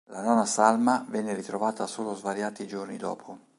La nona salma viene ritrovata solo svariati giorni dopo.